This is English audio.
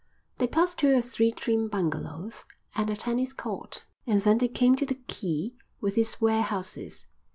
They passed two or three trim bungalows, and a tennis court, and then they came to the quay with its warehouses.